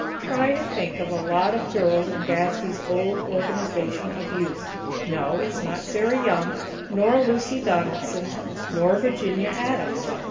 Try to think of a lot of girls in Gadsby's old Organization of Youth. No, it's not Sarah Young, nor Lucy Donaldson, nor Virginia Adams.